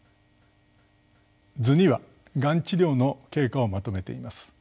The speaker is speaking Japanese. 図にはがん治療の経過をまとめています。